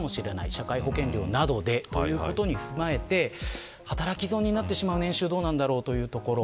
社会保険料などでということを踏まえて働き損になってしまう年収どうなんだろうというところ。